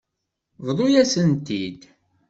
Bḍu-yasen-t-id.